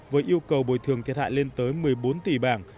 với yêu cầu bồi thường thiệt hại lên tới một mươi bốn tỷ bảng